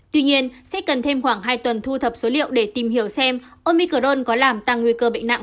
tuy nhiên sẽ cần thêm khoảng hai tuần thu thập số liệu để tìm hiểu xem omicrone có làm tăng nguy cơ bệnh nặng